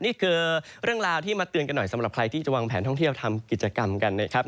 นี่คือเรื่องราวที่มาเตือนกันหน่อยสำหรับใครที่จะวางแผนท่องเที่ยวทำกิจกรรมกันนะครับ